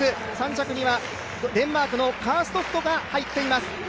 ３着にはデンマークのカーストフトが入っています。